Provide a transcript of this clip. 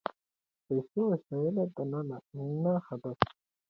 پیسې وسیله ده نه هدف.